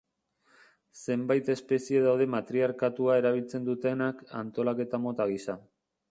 Zenbait espezie daude matriarkatua erabiltzen dutenak antolaketa mota gisa.